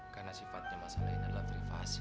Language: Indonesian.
karena sifatnya masalah ini adalah privasi